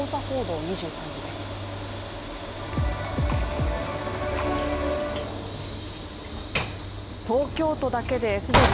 報道２３時です。